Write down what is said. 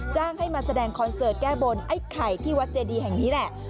จ้างให้มาแสดงคอนเสิร์ตแก้บนไอ้ไข่ที่วัดเจดีแห่งนี้แหละ